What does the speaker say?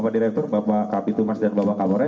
bapak direktur bapak kapitul mas dan bapak kabore